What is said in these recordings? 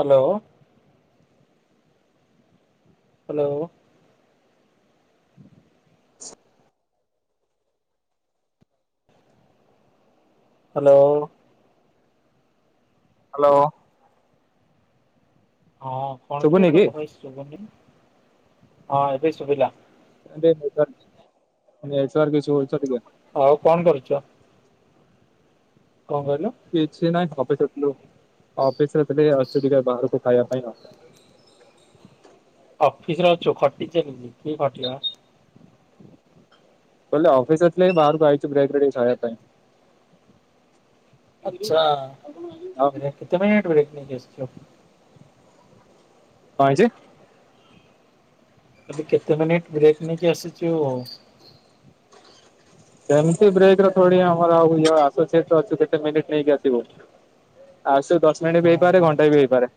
Hello. Hello. [inaudible] Hello. Hello. ହଁ କଣ କିରେ ଶୁଭୁନି ତୋ କି? ଭଏସ୍ ସୁବୁନି? ହଁ ଏବେ ସୁୁଭିଲା। [unintelligible] ଆଉ କଣ କରୁଛ? କଣ କହିଲୁ କିଛି ନାଇଁ ହବ ଥିଲୁ ଅଫିସରେ ଥିଲି ବାହାରକୁ ଖାଇବା ପାଇଁ ହଁ [inaudible] ଅଫିସରେ ଅଛୁ ଖଟି ଚାଲିଛି କି ଖଟି ବା। କଲେ ଅଫିସଥିଲେ ବାହାରକୁ ଆଇଛୁ ବ୍ରେକରେ ଖାଇବା ପାଇଁ ଆଚ୍ଛା ଆଉ ଏରା କେତେଟଙ୍କିକିଆ ଡ୍ରପ। [inaudible] କଣ ହେଇଛି। ତମେ କେତେ ମିନିଟ ବ୍ରେକ୍ ନେଇକି ଆସିଛୁ। [inaudible] ସେମତି ବ୍ରେକ୍ ଆମର ଆଉ ଆସୁଛି ତ କେତେ ମିନିଟ ନେଇକି ଆସିବୁ ଆସୁ। ଦଶ ମିନିଟ୍ ବି ହେଇପାରେ ଘଣ୍ଟେ ବି ହେଇପାରେ।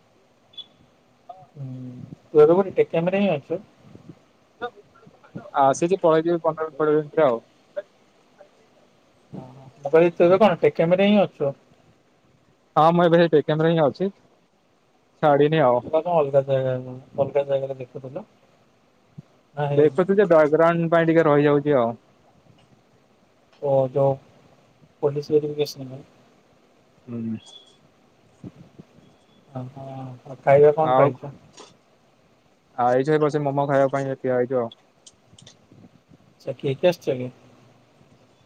ହୁଁ ଏବେ କୋଉଠି କ୍ୟାମେରା ହିଁ ଅଛୁ। [unintelligible] ମୁଁ କହିଲି ତୋର କଣ କ୍ୟାମେରା ରେ ଅଛୁ। ହଁ ମୁଁ ଏବେ କ୍ୟାମେରା ହିଁ ଅଛି। ଛାଡିନି ଆଉ। ତୁ ପା କଣ ଅଲଗା ଜାଗା ଅଲଗା ଜାଗାରେ ଦେଖ। କଣ କହିଲ। ଦେଖୁଛୁ ଯେ ବ୍ରାଗ୍ରାଉଣ୍ଡ ପାଇଁ ଟିକେ ରହିଯାଉଛି ଆଉ। ଓହୋ ପୋଲିସ୍ ଭେରିପିକେସନ୍। ହୁଁ। ଆହା। ଆଉ ଖାଇବା କଣ ଖାଇଛ। ଆଇଛୁ ଏ ବସି ମୋମୋ ଖାଇବା ପାଇଁ ଠିଆ ହେଇଛୁ ଆଉ। କିଏ କିଏ ଆସିଛ କି?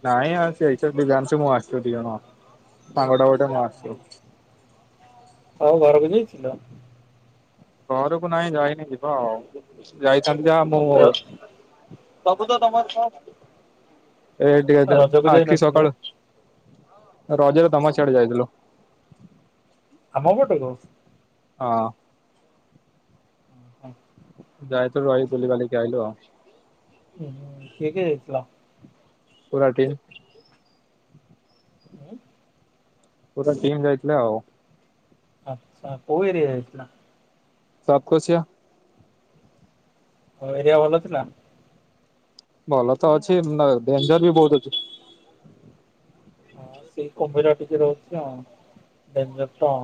ନାଇଁ ଆଉ ସେଇ ତ ଦିବ୍ୟାନଶୁ ମୁଁ ଆସିଛୁ ଦି ଜଣ ସାଙ୍ଗଟା ଗୋଟେ ମୁଁ ଆସିଛି। ଆଉ ଘରକୁ ଯିବ। ଘରକୁ ନାଇଁ ଯାଇନି ଯିବା ଆଉ। ଯାଇଥାନ୍ତି ଯାଇଥାନ୍ତି ର ମୁଁ। ସବୁ ତ ତମର ଏଟିକେ ରଜକୁ ଆଖି ଯାଇନଥିଲ ସକାଳୁ ରଜରେ ତମ ସିଆଡେ ଯାଇଥିଲୁ। [inaudible] ଆମ ପଟ କୁ। ହଁ। ଓହୋ। ଯାଇଥିଲୁ ରହିକି ବିଲିବାଲି କି ଆଇଲୁ ଆଉ। ହୁଁ ହୁଁ କିଏ କିଏ ଯାଇଥିଲ। ପୁରା ଟିମ୍। ଉଁ ପୁରା ଟିମ୍ ଯାଇଥିଲେ ଆଉ। ଆଛା କୋଉ ଏରିଆ ଯାଇଥିଲା। [inaudible] ହଁ ଏରିଆ ଭଲ ଥିଲା। ଭଲ ତ ଅଛି ଡେଞ୍ଜର ବି ବହୁତ ଅଛି। ହଁ ସେଇ କୁମ୍ଭୀର ଟିକେ ରହୁଛି ଡେଞ୍ଜର ତ।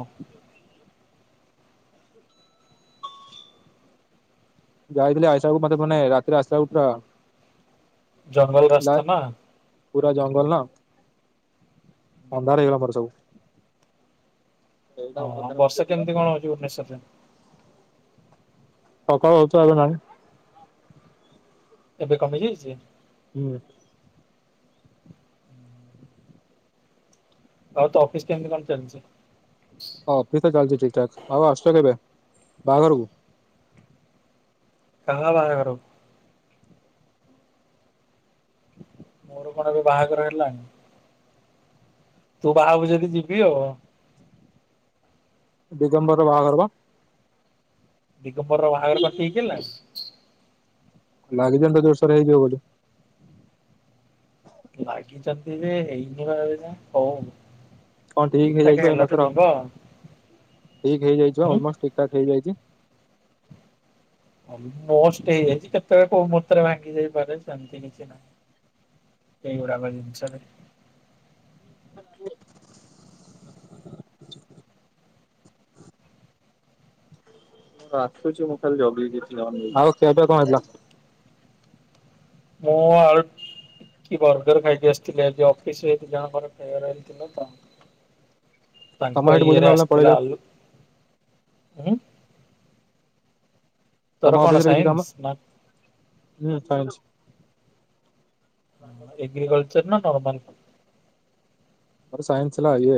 ଯାଇଥିଲି ଆସିଲାବେଳକୁ ମୋତେ ମାନେ ରାତିରେ ପୁରା। ଜଙ୍ଗଲ ଲା ରାସ୍ତା ନା। ପୁରା ଜଙ୍ଗଲ ନା ଅନ୍ଧାର ହେଇଗଲା ବାଟ ସବୁ। ଓଁ ବର୍ଷା କେମିତି କଣ ହଉଛି ଭୁବନେଶ୍ଵରରେ? ପକାଳ ହଛୁ ଆଜ ନା [unintelligible] ଏବେ କମି ଯାଇଛି? ହୁଁ। ଆଉ ତ ଅଫିସ କେମତି କଣ ଚାଲିଛି? ଅଫିସ ତ ଚାଲିଛି ଠିକ ଠାକ। ଆଉ ଆସୁଛ କେବେ ବାହାଘରକୁ। କହା ବହାଘରକୁ କରୁକୁ? ମୋର କଣ ଏବେ ବାହାଘର ହେଲାଣି। ତୁ ବାହାହବୁ ଯଦି ଯିବି ଆଉ। ଦିଗମ୍ବର ବାହାଘର ପା। ଦଗମ୍ବର ର ବାହାଘର କଣ ଠିକ୍ ହେଲା ଲାଗିଛି ତ ଜୋରସୋର ହେଇଯିବ ବୋଲି। ଲାଗିଛନ୍ତି ଯେ ହେଇଯିବ ହେଇନି ହଉ। ହଁ ଠିକ ଠାକ ହେଇଯାଇଛି। ଏ ହେଲାଠୁ ମାସର ଯିବ ଆଉ। ଠିକ ହେଇଯାଇ ଉଁ ଅଲମ ଠିକଠାକ୍ ହେଇଯାଇଛି। ଅଲମୋଷ୍ଟ ଏଇ କେତେବେଳେ କୋଉ ମୂହୁର୍ତ୍ତରେ ଭାଙ୍ଗି ଯାଇପାରେ। ସେମିତି କିଛି ନାହିଁ ଏଇଗୁଡାକ ଜିନିଷରେ। ଆ [unintelligible] ମୁଁ ଖାଲି ଯୋଗିଲ [unintelligible] ଥିଲ ଜ ହଉ କେଛ ତ ମୁଁ ଆଉ କି ବର୍ଗର ଖାଇକି ଆସିଥିଲି ଅଫିସରେ ଜଣ ମୋର ହେଇଥିଲା ତ। ତମ ତାଙ୍କ ସେଠି ଭୋଜି ଇଏରେ ନହେଲେ ପଳେଇ ଆସିଥିଲା ଯାଉ ଆଲୁ। ହୁଁ। ତମ ଅଫିସରେ କିଛି ସାଇନ୍ସ କାମ। ନା ଏଗ୍ରିକଲଚ [unintelligible] ସେଦିନ ନର୍ମାଲ। ମୋର ସାଇନ୍ସ ହେଲା ଇଏ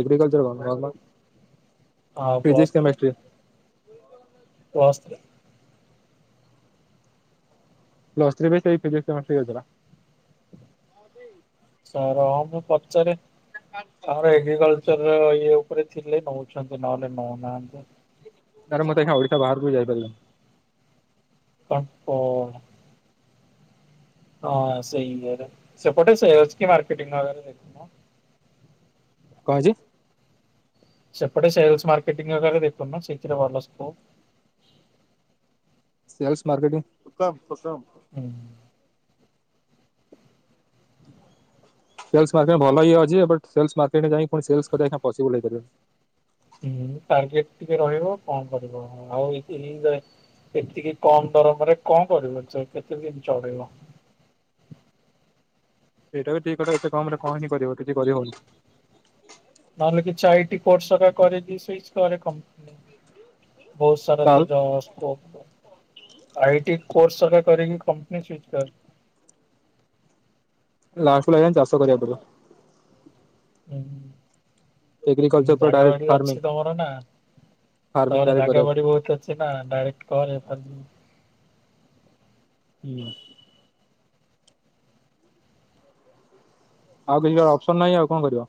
ଏଗ୍ରିକଲଚର ଗ ହଁ plus three. Plus three. Plus three ବି ସେଇ ଫିଜିକ୍ସ କେମିଷ୍ଟ୍ରୀ ଥିଲା। ସାର ରହ୍ ମମୁଁ ପଚାରେ। ଆମର ଏଗ୍ରିକଲଚର ଇଏ ଉପରେ ଥିଲେ ନଉଛନ୍ତି ନହେଲେ ନଉନାହାନ୍ତି। ନାରେ ମୁଁତେ ଏ ଓଡିଶା ବାହାରକୁ ଯାଇପାରିବିନି। ହଁ ହଁ ସେଇ ଇଏରେ ସେପଟେ ସେଇ ଅଛି ମାର୍କେଟିଙ୍ଗ ଦେଖୁନ। କଣ ହେଇଛି? ସେପଟେ ସେଲସ୍ ମାର୍କେଟିଙ୍ଗ ଇରେ ଦେଖୁନ ସେଇଥିରେ ଭଲ ସ୍କୋପ ସେଲସ ମାର୍କେଟିଂ [unintelligible] ପସାମ ହୁଁ ସେଲସ୍ ମାର୍କେଟିଙ୍ଗ ଭଲ ଇଏ ଅଛି ବଟ ସେଲସ୍ ମାର୍କେଟ ଯାଇକି ପୁଣି ସେଲ୍ସ କରିବା କାମ ପସିବଲ୍ ହେଇପାରିବନି। ହୁଁ ଟାର୍ଗେଟ ଟିକେ ରହିବ କଣ କରିବ ଆଉ ଏତିକି [unintelligible] ଏତିକି କମ ଦରମାରେ କଣ କରିବ ଚ କେତେ ଦିନ ଚଳେଇବ। ସେଇଟା ବି ଠିକ କଥା ଏତେ କମ ରେ କଣ ଯେ କରିବ କିଛି କରିହବନି। ନହଲେ କିଛି ଆଇଟି କୋର୍ସ ହେକା କରିକି ସୁଇଚ କରେ କମ୍ପାନୀ। ବହୁତ ସାରା ତ ତାହେଲେ ଯଉ ସ୍କୋପ [unintelligible] ଆଇଟି କୋର୍ସ ହେକା କରିକି କମ୍ପାନୀ ସୁଇଚି କର। ଲାଷ୍ଟ କୁ ଲାଗିଲାଣି ଚାଷ କରିବାକୁ ପଡିବ। ହୁଁ ଏଗ୍ରିକଲଚର ପୁରା ଜାଗା ଡାଇରେକ୍ଟ ବାଡି ଫାର୍ମିଂ ଅଛି ତମର ନା ଫାର୍ମିଂ ତମର ଡାଇରେକ୍ଟ ଜାଗା କରିବାକୁ। ବାଡି ବହୁତ ଅଛି ନା ଡାଇରେକ୍ଟ କହରେ ଫାର୍ମିଂ ହୁଁ ଆଉ କିଛି ଅପସନ ନାହିଁ ଆଉ କଣ କରିବ।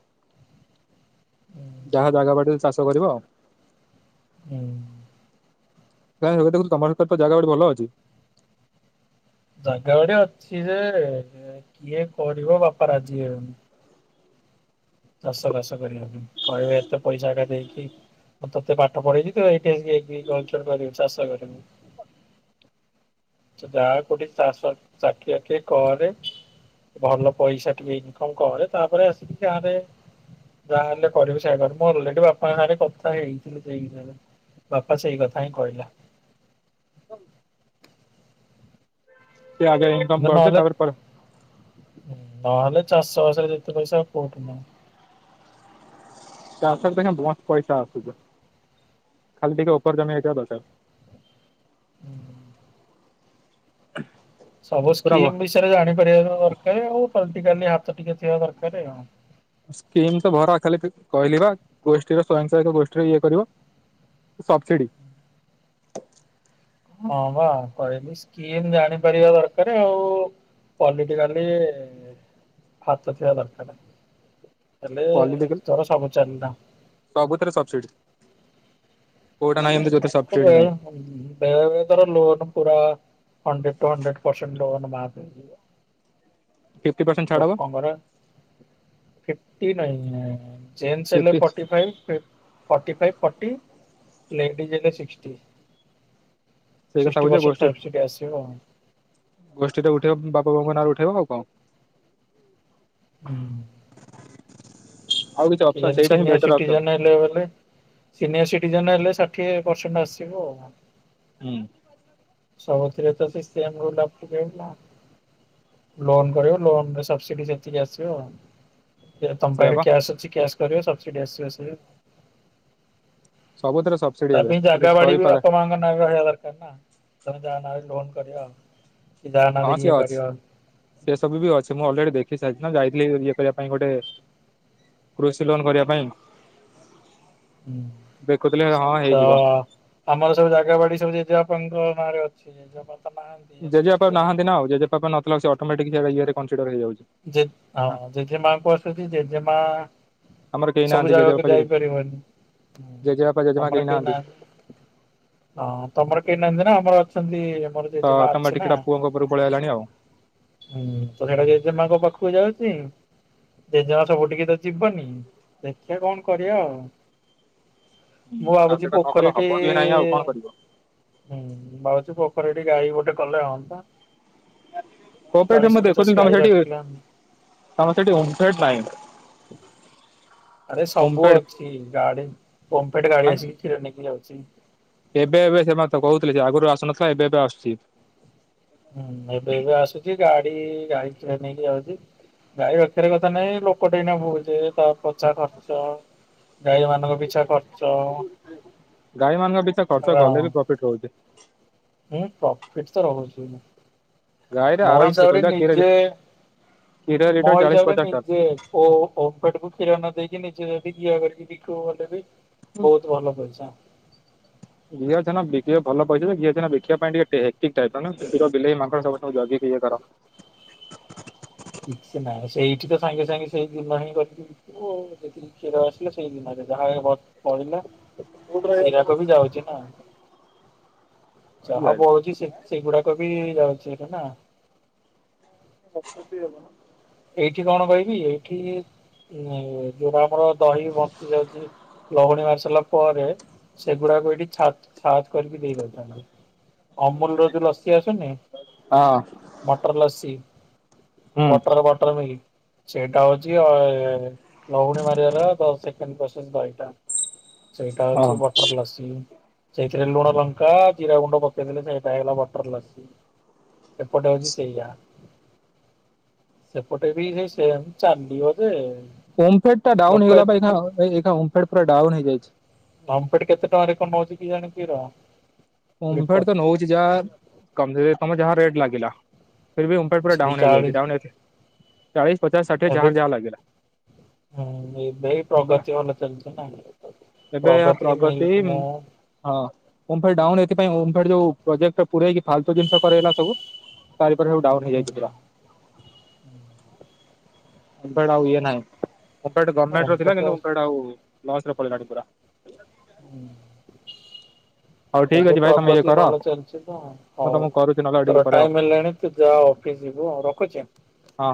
ଯାହା ଜାଗା ବାଡ଼ିରେ ଚା କରିବ ହୁଁ କାଇଁ [unintelligible] ତମର ତ ଜାଗାବଡି ଭଲ ଅଛି। ଜାଗା ବାଡ଼ି ଅଛି ଯେ କିଏ କରିବ ବାପା ରାଜି ହେବେନି ଚାଷ ବାସ କରିବାପାଇଁ କହିବେ ଏତେ ପଇସା ଏକା ଦେଇକି ମୁଁ ତତେ ପାଠ ପଢେଇଛି ତୁ ଏଇଠି ଏଇ [inaudible] ଏଗ୍ରିକଲ୍ଚର କରିବୁ ଚାଷ କରିବୁ। ଯାହା କୋଉଠି ଚାଷ ଚାକିରି ବାକିରି କରେ ଭଲ ପଇସା ଟିକେ ଇନକମ କରେ ତାପରେ ଆସିକି ଗାଁରେ ଯାହା ହେଲେ କରିବୁ ସେୟା କରେ ମୁଁ ଅଲରେଡି ବାପାଙ୍କ ସାଙ୍ଗରେ କଥା ହେଇଥିଲି ସେଇ ବିଷୟରେ ବାପା ସେଇ କଥା ହିଁ କହିଲା। ଇଆଡ଼େ କିନ୍ତୁ ନମ୍ବର ଦେ ନହେଲେ ତାପରେ ପରେ କ ନହେଲେ ଚାଷ ବାସରେ ଯେତେ ପଇସା ଆଉ କୋଉଠି ନାହିଁ। ଚାଷରେ ଦେଖ ବହତ ପଇସା ଆସୁଛ ଖାଲି ଟିକେ ଉପର ଜମି ହେଇଥିବା ଦରକାର। ନାହିଁ। [inaudible] ସବୁ ପୁରା ଭ ସ୍କିମ୍ ବିଷୟରେ ଜାଣି [unintelligible] ଦରକାର ଆଉ ପଲିଟିକାଲି ହାତ ଟିକେ ଥିବା ଦରକାର ଆଉ। ସ୍କିମ୍ ତ ଭରା ଖାଲି କହିଲ ବା ଗୋଷ୍ଟିର ସ୍ଵୟଂ ସହାୟକ ଗୋଷ୍ଠୀରେ ଇଏ କରିବ ସବସିଡି ହଁ ବା କହିଲି ସ୍କିମ୍ ଜାଣିପାରିବା ଦରକାର ଆଉ ପଲିଟିକାଲି ହାତ ଥିବା ଦରକାର। ହେଲେ ପଲିଟିକାଲ ତୋର ସବୁ ଚାଲିଲା। କଉଟା ନାହିଁ ବୋ [unintelligible] ତୋର ଲୋନ ପୁରା hundred to hundred percent loan ମାଫ ହେଇଯିବ। ଫିଫ୍ଟି ପରସେଣ୍ଟ ଛାଡ ହବ ଲୋକଙ୍କର ଫି [unintelligible] ଜେନ୍ ହେଲେ ଫିଫ୍ଟି ଫଟି ଫାଇପ୍ ଫି ଫଟି ଫାଇପ ଫ ନ ଜ [inaudible] ସିକ୍ସ୍ଟି। ସେଇ କଥା କହୁଛି ଗୋଷ୍ଠୀ ଆଉ। [unintelligible] ଗୋଷ୍ଠୀ ଟା ଉଠେଇ ବାପା ବଉଙ୍କ ନାଁ ପଠେଇବ ଆଉ କଣ। ହୁଁ। ଆଉ କିଛି କିଏ ଅପସନ୍ ଯଦି ସେଇଟା ହିଁ ସିନିଅର୍ ବେଟର ଅପସନ୍ ସିଟିଜେନ୍ ହେଲେ ବୋଲେ। ସିନିୟର ସିଟିଜେନ ହେଲେ ଷାଠିଏ ପରସେଣ୍ଟ ଆସିବ ଆଉ। ହୁଁ। ସବୁଥିରେ ତ ଲୋନ କରିବ ଲୋନ ସବସିଡି ସେତିକି ଆସିବ। ତମ ସେୟା ପାଖରେ ବା କିଏ କ୍ୟାସ୍ ଅଛି? କ୍ୟାସ କରିବ ସବସିଡି ଆସିବ ଆସ। ସବୁଥିରେ ସବସିଡି ତା ଏବେ ପାଇଁ ଖାଲି ଜାଗା ବାଡି ବି କରିପାରିଲେ ବାପା ମାଙ୍କ ନା ରହିବା ଦରକାର ନା ତମେ ଯା ନାଁ ରେ ଲୋନ୍ କରିବା ହଁ ସେ ଅଛି ସେ ସବୁ ବି ଅଛି ମୁଁ ଅଲରେଡି ଦେଖି ଯାଇଥିଲି ଇଏ କରିବା ପାଇଁ ଗୋଟେ କୃଷି ଲୋନ କରିବା ପାଇଁ ଦେଖୁଥିଲେ ହୁଁ ହଁ ତ ହେଇଯିବ ଆମର ସବୁ ଜାଗା ବାଡି ସବୁ [unintelligible] ଙ୍କ ନାଁରେ ଅଛି। ତ ନାହାନ୍ତି ଜେଜେ ହେଲେ ବାପା ଜେଜେମା ନାହାନ୍ତି ଆଉ ଜେଜେ ବାପା ନଥିଲେ ସେ ଅଟୋମେଟିକ ଇଏରେ। କନସିଡର ହେଇଯାଉଛି। ହଁ ଜେଜେ ମାଙ୍କୁ ଆସୁଛି ଜେଜେ ମା ଆମର କେହି ସବୁ ନାହାନ୍ତି ଜାଗାକୁ ଜେଜେବାପା ଜେଜେ ଯାଇପାରିବନି ତମର କେହି ନାହାନ୍ତି ହଁ ତମର କେହି ନାହାନ୍ତି ନା ଆମର ଅଛନ୍ତି। ର ତ ଜେଜେ ମା ଅଛି ଅଟୋମେଟିକ ନା ସେଟା ପୁଅଙ୍କ ଉପରକୁ ପଳେଇ ଆଇଲାଣି ଆଉ। ହୁଁ ତ ସେଟା ଯେ ପାଖକୁ ଯାଉଛି ଜେଜେମା ସବୁ ଟିକେ ତ ଯିବନି ଦେଖିବା କଣ କରିବା ଆଉ। ମୁଁ ଆଉ ଭାବୁଛି ସେଇଟା ନ କଲେ ପୋଖରୀଟି ହବ ବି ନାହିଁ ଆଉ କଣ କରିବ ହୁଁ ମୁଁ ଭାବୁଛି ପ ତାରେ ଟିକି ଗାଈ ଗୋଟେ କଲେ ହୁଅନ୍ତା। [unintelligible] ଦେଖୁଥିଲି ଆରେ ତମ। ନାହିଁ ସବୁ ଓମଫେଡ ଅଛି ଗାଡି ପମ୍ପେଟ ଗାଡି ମାନେ ଆସିକି କ୍ଷୀର ନେଇକି ଯାଉଛି। ସେ। ଏବେ ଏବେ ସେମାନେ ତ କହୁଥିଲେ ସେ ଆଗରୁ ଆସୁନଥିଲା ଏବେ ଏବେ ଆସୁଛି। ହୁଁ ଏବେ ଏବେ ଆସୁଛି ଗାଡି ଗା ନେଇକି ଯାଉଛି ଗାଈ ରଖିବାର କଥା ନାଇଁ ଲୋକଟେ ଏଇନା ଭହୁଛେ ତା ପିଛା ଖର୍ଚ ଗାଈ ମାନଙ୍କ ପିଛା ଖର୍ଚ ଗାଈ ମାନଙ୍କ ପଛରେ ଖର୍ଚ୍ଚ କଲେ ବି ପ୍ରଫିଟ୍ ରହୁଛି। ହୁଁ ପ୍ରଫିଟ ତ ରହୁଛି। ଗାଈରେ ମୋ ଆରାମ ସେ ହିସାବରେ କହିଲେ କ୍ଷୀର ନିଜେ କ୍ଷୀର ମୋ ଲିଟର ଚାଳିଶ ହିସାବରେ ପଚାଶ ଟଙ୍କା। ନିଜେ ଓମ୍ଫେଡ଼୍ କୁ କ୍ଷୀର ନ ଦେଇ କି ନିଜ ବିିିକି ଆଗର କିି। [unintelligible] ବହୁତ ଭଲ କରିଚ। ଘିଅ ଛନା ବିକିବା ଭଲ ପଇସା ଘିଅ ଛନା ବିକିବା ପାଇଁ ଟିକୀର ବିଲେଇ ମାଙ୍କ ସବୁୁ ଜଗିକି ଇଏ କର। କିଛି ନାଇଁ ସେଇଠି ତ ସାଙ୍ଗେ ସାଙ୍ଗେ ସେଇ ଦିନ ହିଁ କରିକିିବ ଯେତିକି କ୍ଷୀର ଆସିଲା ସେଇ ଦିନରେ ଯାହା ପଡିଲା ସିରାକୁ ବି ଯାଉଚି ନା। ହଁ ଯାହା ବଢୁଚି ସେଗୁଡାକ ବି ଯାଉ ସେଇଟା ନା। [inaudible] ଏଇଠି କଣ କହିବି ଏଇଠି ଯୋଉଟା ଆମର ଦହି ବଞ୍ଚି ଯାଉଚି, ଲହୁଣୀ ମାରି ସାରିଲା ପରେ ସେଗୁଡାକୁ ଏଠି ଛାଞ୍ଚ ଛା କରିକି ଦେଇଦେଉଚନ୍ତି ଅମୁଲ୍ ର ଯୋଉ ଲସି ଆସୁନି ମଟର ଲସି ହୁଁ। ବଟର ବଟର ସେଇଟା ହଉଚି ଆଉ। ଲହୁଣୀ ମାରିବାର ଦଶ ସେ କେମିତି ପ୍ରୋସେସ କ ଏଇଟା। ସେଇଟା ହଁ ହଉଚି ବଟର ଲସି। ସେଇଥିରେ ଲୁଣ, ଲଙ୍କା, ଜିରା ଗୁଣ୍ଡ ପକେଇଦେଲେ ସେଇଟା ହେଇଗଲା ବଟର ଲସି। ଏପଟେ ଅଛି ସେୟା। ସେପଟେ ବି ସେଇ ସେମ ଚାଲିବଯେ ଓମଫେଡ଼ ଟା ଡାଉନ ହେଇଗଲା ପା ଏଇଖିଣା ଅଁ ଏଇଖିଣା ଓମଫେଡ ପୁରା ଡ଼ ଡାଉନ ହେଇଯାଇଚି। ଓମଫେଡ କେତେ ଟଙ୍କାରେ କଣ ନଉଚି କେଜାଣି କ୍ଷୀର? ଲିଟର ଓମଫେଡ ତ ନଉଛି ଯାହା କମରେ ତମେ ଯାହା ରେଟ୍ ଲାଗିଲା। ଫିର୍ ବି ଓମଫେଡ୍ ପୁରା ସେଇ ଡାଉନ୍ ହେଇଯାଇଛି ଚାଳିଶ ଡାଉନ୍ ଚାଳିଶ ପଚାଶ ଷାଠିଏ ଏବେ, ଯାହାର ଯାହା ଲାଗିଲା। ଏବେ ଏଇ ପ୍ରଗତି ଭଲ ଚାଲିଚି ନା। ଏବେ ଏହା ପ୍ରଗତି ମିଲ୍କ ଉଁ ମୁଁ ହଁ ଅ ଓମଫେଡ ଡାଉନ ହେ ସେଇଥିପାଇଁ ଯୋଉ ପ୍ରୋେକ୍ଟ ପୁରାଇକି ଫାଲତୁ ଜିନିଷ କରେଇଲା ସବୁ। ତାରି ପାଖରେ ସବୁ ଡାଉନ ହୁଁ ହେଇଯାଇଚି ପୁରା। ଏବଡେ ଆଉ ଇଏ ନାହିଁ। ଓମଫେଡ ଗମେଣ୍ଟର ଥିଲା ଓମଫେଡ ର କିନ୍ତୁ ଓମଫେଡ ଆଉ ଲସ୍ ରେ ପଳେଇ ଲାଣି ପୁରା। ହୁଁ। ହଉ ଠିକ ଏବେ ଅଛି ଭାଇ ତମେ ଇଏ ପ୍ରଗତି କର ଭଲ ଚାଲିଚି ତ ମୁଁ ହଉ ତମକୁ କରୁଛି ନହେଲେ ଆଉ ଟିକେ ତୋର ପରେ ଆଉ ଟାଇମ ହେଲାଣି ତୁ ଯା ଅଫିସ ଯିବୁ ଆଉ ରଖୁଚି। ହଁ।